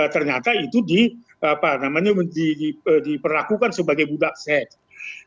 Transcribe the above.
ternyata itu diperlakukan sebagai budak seks